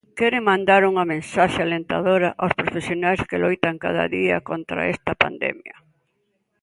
Queren mandar unha mensaxe alentadora aos profesionais que loitan cada día contra esta pandemia.